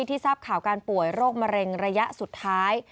ทราบข่าวการป่วยโรคมะเร็งระยะสุดท้าย